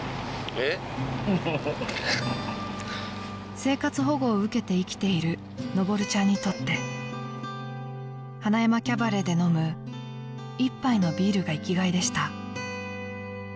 ［生活保護を受けて生きているのぼるちゃんにとって塙山キャバレーで飲む一杯のビールが生きがいでした］